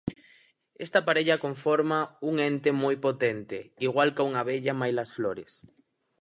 Esta parella conforma un ente moi potente, igual ca unha abella mailas flores.